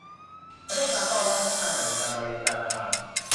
พนักงานต้อนรับพนักงานใหม่ในการบริการอาหาร